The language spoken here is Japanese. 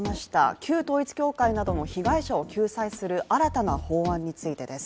旧統一教会などの被害者を救済する新たな法案についてです。